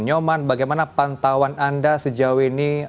nyoman bagaimana pantauan anda sejauh ini